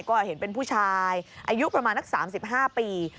ก็เห็นเป็นผู้ชายอายุประมาณนัก๓๕ปี